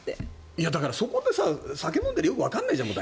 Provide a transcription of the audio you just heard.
だから、そこで酒を飲んでりゃよくわからないじゃない、大体。